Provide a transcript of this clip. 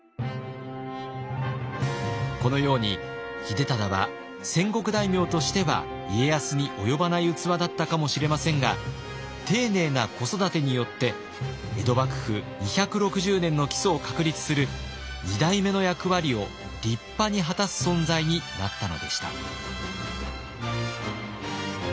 このように秀忠は戦国大名としては家康に及ばない器だったかもしれませんが丁寧な子育てによって江戸幕府２６０年の基礎を確立する二代目の役割を立派に果たす存在になったのでした。